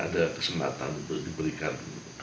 ada kesempatan untuk diberikan